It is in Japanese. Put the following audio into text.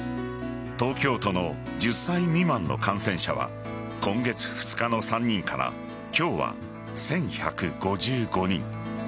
東京都の１０歳未満の感染者は今月２日の３人から今日は１１５５人。